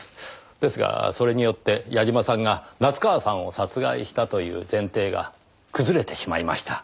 ですがそれによって矢嶋さんが夏河さんを殺害したという前提が崩れてしまいました。